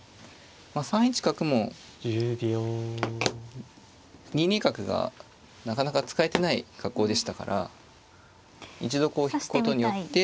まあ３一角も２二角がなかなか使えてない格好でしたから一度こう引くことによって。